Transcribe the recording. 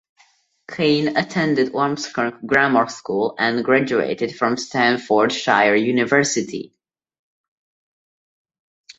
Cain attended Ormskirk Grammar School and graduated from Staffordshire University.